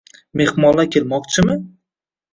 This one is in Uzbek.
Mehmonlar kelmoqchimi?